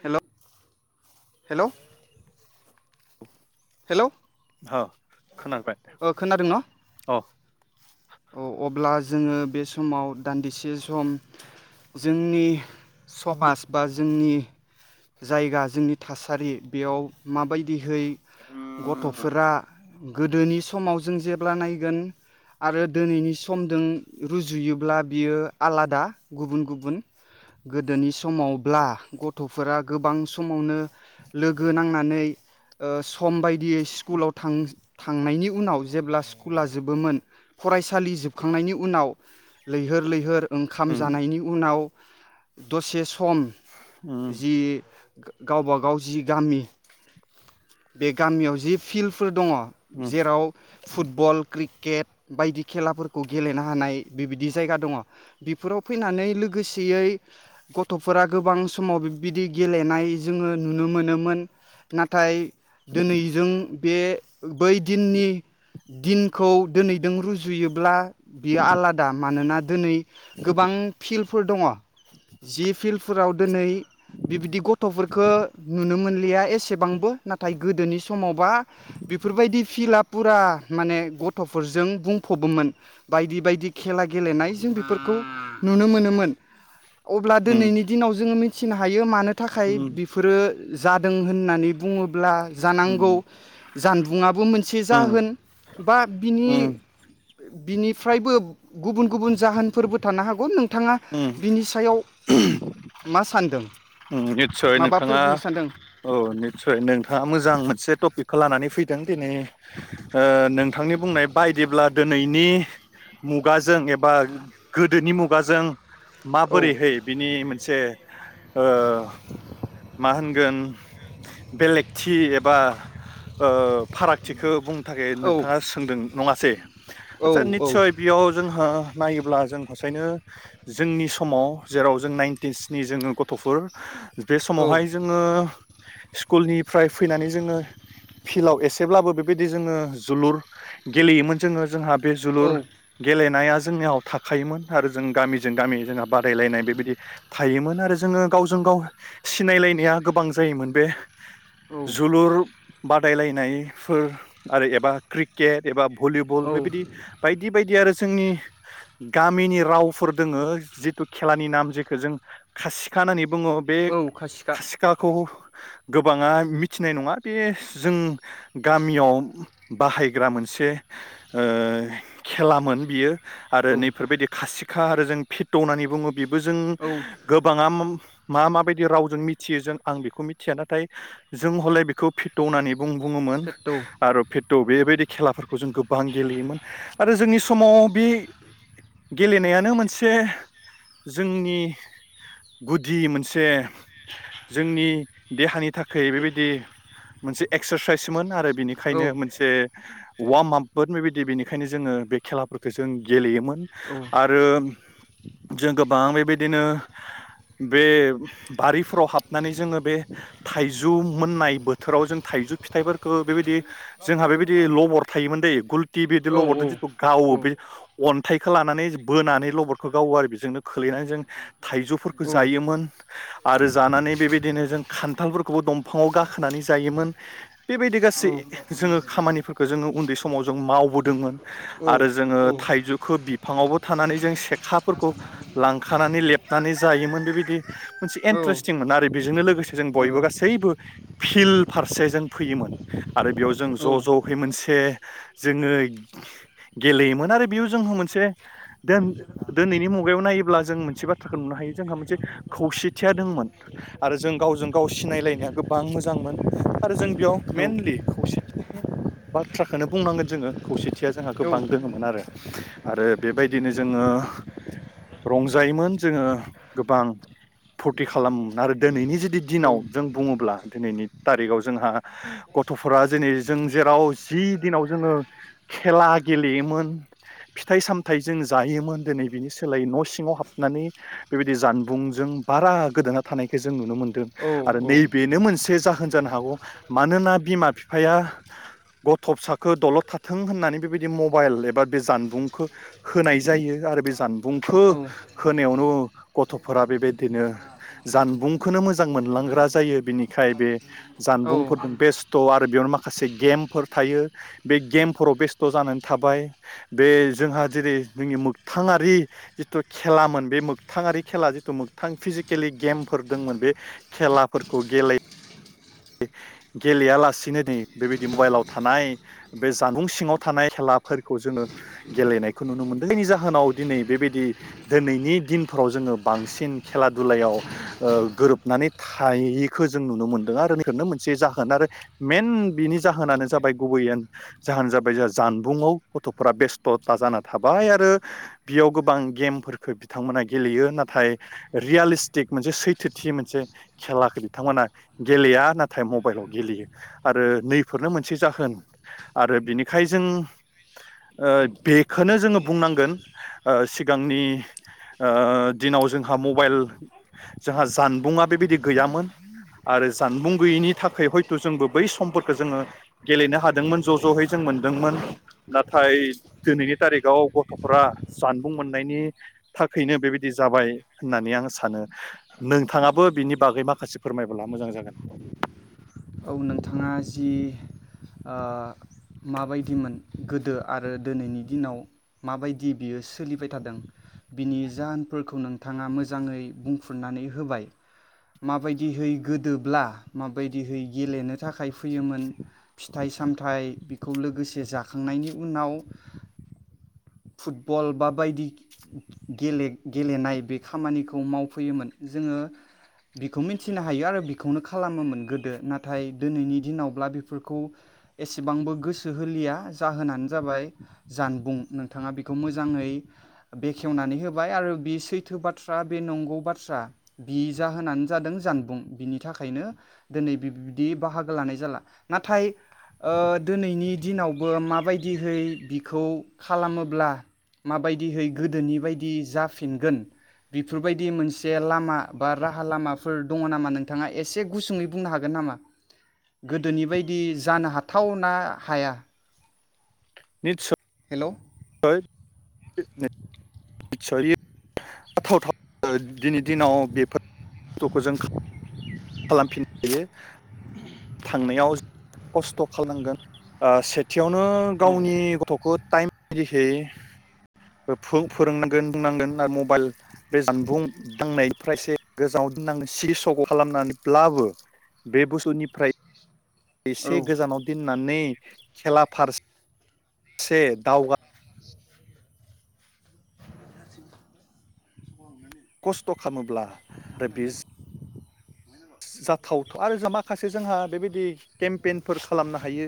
हेल' hello hello हो खोनाबाय ओ खोनादोंना अ औ अब्ला जोङो बे समाव दान्दिसे सम जोंनि समाज बा जोंनि जायगा जोंनि थासारि बेयाव माबायदिहै उम गथ'फोरा गोदोनि समाव जों जेब्ला नायगोन आरो दिनैनि समजों रुजुयोब्ला बियो आलादा गुबुन गुबुन गोदोनि समावब्ला गथ'फोरा गोबां समावनो लोगो नांनानै ओ सम बायदियै स्कुलाव थां थांनायनि उनाव जेब्ला स्कुला जोबोमोन फरायसालि जोबखांनायनि उनाव लैहोर लैहोर ओंखाम उम जानायनि उनाव दसे सम उम जि गावब गाव जि गामि बे गामियाव जि फिल्डफोर दङ उम जेराव फुटबल क्रिक केट बायदि खेलाफोरखौ गेलेनो हानाय बेबायदि जायगा दङ बेफोराव फैनानै लोगोसेयै गथ'फोरा गोबां समाव बिबायदि गेलेनाय जोङो नुनो मोनोमोन नाथाय दिनैजों बे बै दिननि दिनखौ दिनैजों रुजुयोब्ला बियो आलादा मानोना दिनै गोबां फिल्डफोर दङ। जि फिल्डफोराव दिनै बिबायदि गथ'फोरखौ नुनो मोनलिया एसेबांबो नाथाय गोदोनि समावबा बेफोरबायदि फिल्डआ फुरा माने गथ'फोरजों बुंफबोमोन बायदि बायदि खेला गेलेनाय जों बेफोरखौ नुनो मोनोमोन। अब्ला उम दिनैनि दिनाव जोङो [unintelligible] थिनो हायो मानो थाखाय उम बिफोरो जादों होननानै बुङोब्ला उम जानांगौ जानबुंङाबो मोनसे उम जाहोन बा बिनि उम बिनि फ्रायबो गुबुन गुबुन जाहोनफोरबो थानो हागौ नों थाङा उम बिनि सायाव मा सानदों? निस्सय माबाफोर नोंथाङा बुंनो सानदों औ निस्सय नोंथाङा मोजां मोनसे टपिकखौ लानानै फैदों। दिनै ओ नोंथांनि बुंनाय बायदिब्ला दिनैनि मुगाजों एबा गोदोनि मुगाजों औ माबोरैहै बिनि मोनसे ओ मा होनगोन बेलेगथि एबा ओ फारागथिखौ बुं [unintelligible] औ नोंथाङा सोंदों नङासै औ आदसा निस्सय बेयाव जोंहा नायोब्ला जों हसायनो जोंनि समाव जेराव जों नाइनटिसनि जोङो गथ [unintelligible] बे समावहाय जोङो स्कुलनिफ्राय फैनानै जोङो फिल्डआव एसेब्लाबो बेबायदि जोङो जोलुर गेलेयोमोन जोङो जोंहा बे जोलुर गेलेनाय नाया जोंनियाव थाखोमोन आरो जों गामिजों गामि जोंहा बादायलायनाय बेबायदि थायोमोन आरो जोङो गावजों गाव सिनायलायनाया गोबां जायोमोन बे औ जोलुर बादायलायनायफोर आरो एबा क्रिकेट एबा भलिबल औ बेबायदि बायदि बिबायदि बायदि आरो जोंनि गामिनि रावफोर दोङो जिथु खेलानि नाम जेखौ जों खासि खानानि बुङो बे औ खासिखा खासिखाखौ गोबाङा मिथिनाय नङा बे जों गामियाव बाहायग्रा मोनसे ओ खेलामोन बियो। औ आरो नैफोरबायदि खासि खा आरो जों फिट' होननानै बुङो बेबो जों औ गोबाङा मा मा बायदि रावजों मिथियो जों आं बेखौ मिथिया नाथाय जों हले बेखौ फिथनानै बुं बुङोमोन थोद आरो फि थ' बेबायदि खेलाफोरखौ जों गोबां गेलेयोमोन आरो जोंनि समाव बे गेलेनायानो मोनसे जोंनि गुदि मोनसे जोंनि देहानि थाखाय बेबायदि मोनसे एक्सारसाइसमोन आरो औ बिनिखायनो मोनसे वार्मआप बेबायदि बेनिखायनो जोङो बे खेलाफोरखौ जों गेलेयोमोन औ । आरो जों गोबां बेबायदिनो बे बारिफोराव हाबनानै जोङो बे थाइजौ मोननाय बोथोराव जों थाइजौ फिथाइफोरखो बेबायदि जोंहा बेबायदि लबर थायोमोन दै गुलथि बिदि औ लबरजों औ जिथु गावो बे अन फिथाइखौ लानानै बोनानै लबरखौ गावो आरो बेजोंनो खोलैनानै जों थाइजौ औ जायोमोन आरो जानानै बेबायदिनो जों खान्थालफोरखौबो दंफाङाव गाखोनानै जायोमोन बेबायदि गासै औ जोङो खामानिफोरखौ जोङो उन्दै समाव जों मावबो दोंमोन। ओ औ आरो जोङो औ थाइजौखौ बिफाङावबो थानानै जों सेखाफोरखौ लांखानानै लेबनानै जायोमोन बेबायदि मोनसे एंट्रेसतिंमोन आरो बेजोंनो लोगोसे जों बयबो गासैबो फिल्द फारसे जों फैयोमोन आरो जों बियाव ज जयै मोनसे जोङो गेलेयोमोन आरो बेयाव जोंहा मोनसे दिनैनि मुगायाव नायोब्ला जों मोनसे बाथ्राखौ नुनो हायो। जोंहा मोनसे खौसेथिया दंमोन आरो जों गावजों गाव सिनायलायनाया गोबां मोजांमोन। आरो जों बेयाव मइेनलि खौसेथिनि बाथ्राखौनो बुंनांगोन जोङो खौसेथिया जोंहा गोबां दोङोमोन आरो। आरो बेबायदिनो जोङो रंजायोमोन जोङो गोबां फुरथि खालामो आरो दिनैनि जि बि दिनाव जों बुङोब्ला दिनैनि थारिखाव जोंहा गथ'फोरा जेरै जों जेराव जि दिनाव जोङो खेला गेलेयोमोन फिथाइ सामथाय जों जायोमोन दिनै बिनि सोलायै न' सिङाव हाबनानै बेबायदि जानबुंजों बारा गोदाना थानायखौ जों नुनो मोनदों आरो नैबेनो मोनसे जाहोन जानो हागौ मानोना बिमा बिफाया गथ' फिसाखौ दलद थाथों होननानै बेबायदि मबाइल एबा बे जानबुंखौ होनाय जायो आरो बे जानबुंखौ औ होनायावनो गथ'फोरा बेबायदिनो जानबुंखौ मोजां मोनलांग्रा जायो बिनिखाय बे औ जानबुंफोरदों बेस स्थ' आरो बेयावनो माखासे गेमफोर थायो बे गेमफोराव बेस्थ' जानानै थाबाय बे जोंहा जेरै जोंनि मोगथाङारि जिथु खेलाम मोन बे मोग थाङारि खेला जिथु मोगथां फिजिकेलि गेमफोर दंमोन बे खेलाफोरखौ गेले गेलेयालासिनो नै बेबायदि मबाइलाव थानाय बे जानबुं सिङाव थानाय खेलाफोरखौ जोङो गेलेनायखौ नुनो मोनदों जायनि जाहोनाव दिनै बेबायदि दिनैनि दिनफोराव जोङो बांसिन खेला दुलायाव ओ गोरोबनानै थायिखौ जों नुनो मोनदों आरो नै फोरनो मोनसे जाहोन आरो मइेन बिनि जाहोनानो जाबाय गुबैय जाहोन जाबाय जोंहा जानबुंआव गथ'फोरा बेस्थ'था जाना थाबाय आरो बियाव गोबां गेमफोरखौ बिथांमोना गेलेयो नाथाय रियालिस्टिक मोनसे सैथोथि मोनसे खेलाखौ बिथांमोना गेलेया। नाथाय मबाइाव गेलेयो आरो नैफोरनो मोनसे जाहोन आरो बिनिखाय जों ओ बेखौनो जोङ बुंनांगोन ओ सिगांनि ओ दिनाव जोंहा मबाइल जोंहा जानबुंआ बेबायदि गैयामोन आरो जानबुं गैयैनि थाखाय हयथ' जोंबो बै समफोरखौ जोङो गेलेनो हादोंमोन ज' ज'यै जों मोनदोंमोन नाथाय दिनैनि थारिखाव गथ'फोरा जानबुं मोननायनि थाखायनो बेबायदि जाबाय होननानै आं सानो नोंथाङाबो बिनि बागै माखासे फोरमायबोला मोजां जागोन औ नोंथाङा जि ओ माबायदिमोन गोदो आरो दोनैनि दिनाव माबायदि बियो सोलिबाय थादों बिनि जाहोनफोरखौ नोंथाङा मोजाङै बुंफुरनानै होबाय माबायदिहै गोदोब्ला माबायदिहै गेलेनो थाखाय फैयोमोन फिथाइ सामथाइ बेखौ लोगोसे जाखांनायनि उनाव फुटबल बा बायदि गेले गेलेनाय बे खामानिखौ मावफैयोमोन जोङो बेखौ मिथिनो हायो आरो बेखौनो खालामोमोन गोदो नाथाय दोनैनि दिनावब्ला बेफोरखौ एसेबांबो गोसो होलिया जाहोनानो जाबाय जानबुं नों थाङा बिखौ मोजाङै बेखेवनानै होबाय आरो बि सैथो बाथ्रा बे नंगौ बाथ्रा बि जाहोनानो जादों जानबुं बिनि थाखायनो दोनै बिबदि बाहागो लानाय जाला नाथाय ओ दोनैनि दिनावबो माबायदिहै बिखौ खालामोब्ला माबायदिहै गोदोनि बायदि जाफिनगोन बेफोरबायदि मोनसे लामा बा राहा लामाफोर दङ नामा नोंथाङा एसे गुसुङै बुंनो हागोन नामा गोदोनि बायदि जानो हाथाव ना हाया निसय हेलौ [inaudible] निचर आथाव थाव [unintelligible] ओ दिनै दिनाव बेफोर बुस्थु'खौ जों खालामफिननो हायो थांनायाव खस्थ' खालामनांगोन ओ से थियावनो औ गावनि गथ'खौ टाइम बिदिहै फो फोरोंनांगोन बुंनांगोन आरो मबाइल बे जानबुं दांनाय फ्रायसे गोजाङाव दोनांग सिगि सग' खालामनानैब्लाबो बे बुस्थुनिफ्राय औ एसे गोजानाव दिन नानै खेला फार से दावगा खस्थ' खालामोब्ला आरो बे जाथाव आरो जों माखासे जोंहा बेबायदि केम्पइेनफोर खालामनो हायो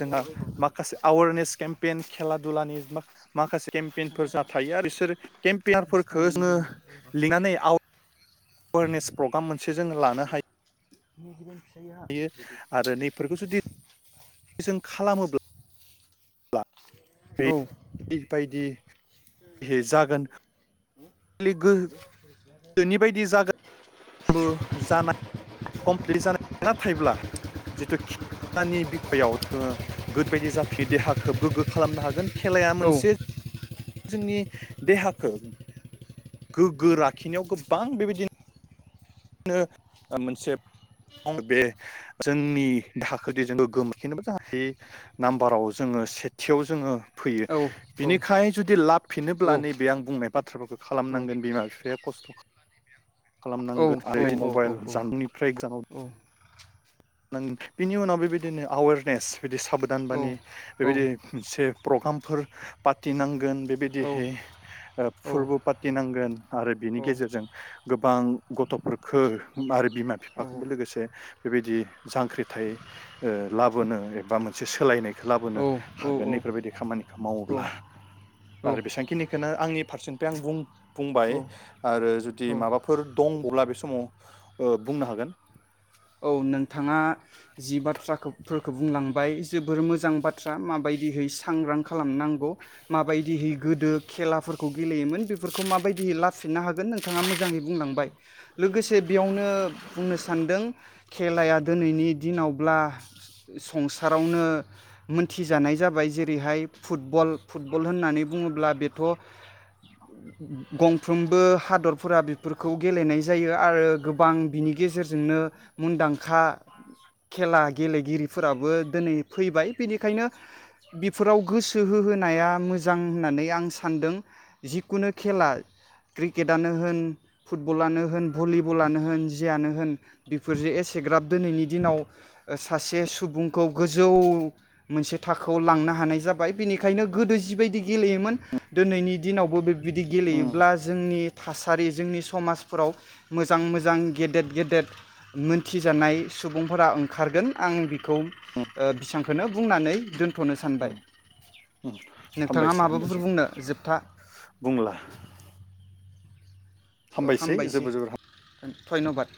जोंहा माखासे आवारनेस स्केम्पेयेन खेला दुलानि मा माखासे खान्थाल केम्पेनफोर आफा जाथायो आरो बिसोर बिस केम्पियारफोरखौ थाखाबानो जोङो जायो लिंनानै आव वारनेस प्रग्राम मोनसे जोङो लानो हायो [unintelligible] यो आरो नैफोरखौ जुदि जों खालामो‌ ब्ला औ बे बायदि है जागोन गोदोनि [unintelligible] बो जाना कमप्लिट जानाय नाथायब्ला जिथु खेलानि बिख'याव जोङो गोदो बायदि जाफि देहाखौ गोग्गो खालामनो हागोन खेलाया औ मोनसे जोंनि देहाखौ गोग्गो लाखिनायाव गोबां बेबायदि नो ओ मोनसे मानो बे जोंनि दाहाखो दि जों गोमग्गोम लाखिनोबा जाहा दि नाम्बाराव जोङो सेथियाव जोङो फैयो औ बिनिखाय जुदि औ लाबफिनोब्ला नैबे आं बुंनाय बाथ थ्रखो औ औ खालामनांगोन बिमा बिफाया खस्थ' खा औ खालामनांगोन औ आरो औ औ मबाइल जानबुंनिफ्राय गोजानाव नों बिनि उनाव बेबायदिनो आवारनेस बिदि साबधान बाने बेबायदि से प्रगामफोर पातिनांगोन बेबायदिहे ओ फुर्बो पातिनांगोन आरो बिनि गेजेरजों गोबां गथ'फोरखो आरो बिमा फिफाखोबो लोगोसे बेबायदि जांख्रिथाय ओ लाबोनो एबा मोनसे सोलायनायखो लाबोनो हागोन इफोरबायदि खामानिखौ मावोब्ला आरो बेसांखिनिखोनो आंनि फारसेनिफ्राय आं बुं-बुंबाय औ आरो जुदि औ माबाफोर दंबवब्ला बे समाव ओ बुंनो हागोन। औ नोंथाङा जि बाथ्राखो फोरखो बुंलांबाय जोबोर मोजां बाथ्रा माबायदिहै सांग्रां खालामनांगौ माबायदिहै गोदो खेलाफोरखौ गेलेयोमोन बेफोरखौ माबायदिहै लाबफिननो हागोन नोंथाङा मोजाङै बुंलांबाय लोगोसे बेयावनो बुंनो सानदों खेलाया दोनैनि दिनावब्ला संसारावनो मोनथिजानाय जाबाय जेरैहाय फुटबल फुटबल होननानै बुङोब्ला बेथ' गंफ्रोमबो हादरफोरा बेफोरखौ गेलेनाय जायो आरो गोबां बिनि गेजेरजोंनो मुन्दांखा खेला गेलेगिरिफोराबो दोनै फैबाय बिनिखायनो बिफोराव गोस सो होहोनाया मोजां होननानै आं सानदों जिकुनु खेला क्रिकेटानो होन फुटबलानो होन भलिबलानो होन जियानो होन बि फोरजो एसेग्राब दोनैनि दिनाव ओ सासे सुबुंखौ गोजौ मोनसे थाखोआव लांनो हानाय जाबाय बिनिखायनो गोदो जिबायदि गेलेयोमोन दोनैनि दिनाव बो बे बिदि उम गेलेयोब्ला जोंनि थासारि जोंनि समाजफोराव मोजां मोजां गेदेद गेदेद मोनथिजानाय सुबुंफोरा ओंखारगोन आं बि खौ उम ओ बिसां खोनो बुंनानै दोन्थ'नो उम सानबाय उम नोंथाङा हामबायसै माबाफोर हामबायसै बुंनो जोबथा बुंला हामबायसै जोबोर जोबोर हाम ओं धन्यबाद।